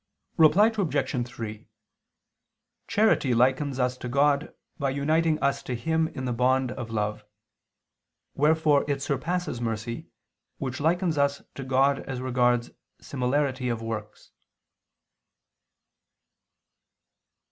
Reply Obj. 3: Charity likens us to God by uniting us to Him in the bond of love: wherefore it surpasses mercy, which likens us to God as regards similarity of works.